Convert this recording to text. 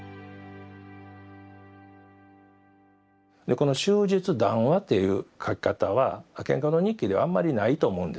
でこの「終日談話」っていう書き方は「蒹葭堂日記」ではあんまりないと思うんです。